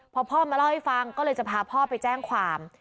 พอพ่อมาเล่าให้ฟังก็เลยจะพาพ่อไปแจ้งความ